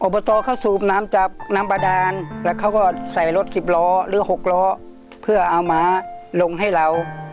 บตเขาสูบน้ำจากน้ำบาดานแล้วเขาก็ใส่รถสิบล้อหรือ๖ล้อเพื่อเอาม้าลงให้เรา